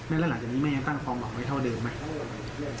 แล้วหลังจากนี้แม่ยังตั้งความหวังไว้เท่าเดิมไหม